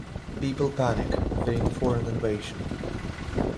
People panic, fearing foreign invasion.